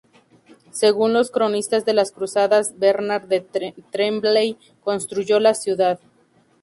Según los cronistas de las cruzadas, Bernard de Tremblay reconstruyó la ciudad.